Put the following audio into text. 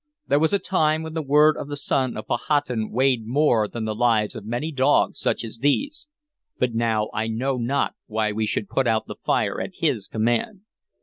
There was a time when the word of the son of Powhatan weighed more than the lives of many dogs such as these, but now I know not why we should put out the fire at his command!